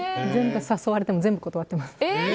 誘われても全部断ってます。